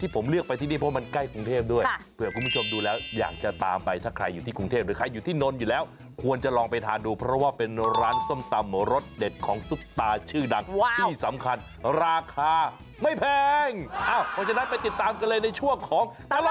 ไปติดตามกันเลยในช่วงของตลอดกิ้น